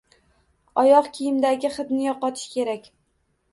Oyoq kiyimdagi hidni yo'qotish kerak.